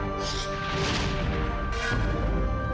assalamualaikum warahmatullahi wabarakatuh